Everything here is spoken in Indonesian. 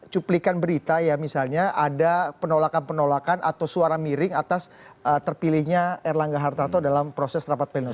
cuplikan berita ya misalnya ada penolakan penolakan atau suara miring atas terpilihnya erlangga hartarto dalam proses rapat pleno